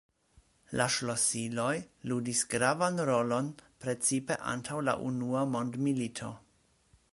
La ŝlosiloj ludis gravan rolon precipe antaŭ la unua mondmilito.